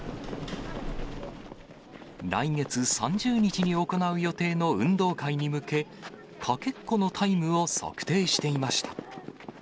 来月３０日に行う予定の運動会に向け、かけっこのタイムを測定していました。